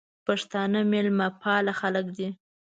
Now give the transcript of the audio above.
پښتانه مېلمه پاله خلګ دي.